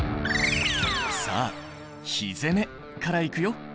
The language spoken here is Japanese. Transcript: さあ火攻めからいくよ。